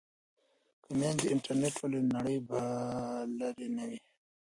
که میندې انټرنیټ ولري نو نړۍ به لرې نه وي.